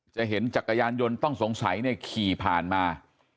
จะเห็นจักรยานยนต์ต้องสงสัยเนี่ยขี่ผ่านมา